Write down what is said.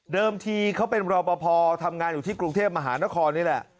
ทีเขาเป็นรอปภทำงานอยู่ที่กรุงเทพมหานครนี่แหละ